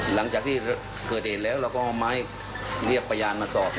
หลังจากที่เกิดเหตุแล้วเราก็เอาไม้เรียกพยานมาสอบ